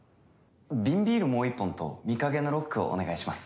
瓶ビールもう１本と御影のロックをお願いします。